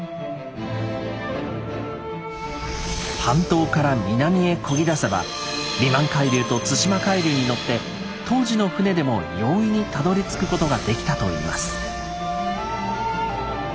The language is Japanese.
半島から南へこぎだせばリマン海流と対馬海流に乗って当時の舟でも容易にたどりつくことができたといいます。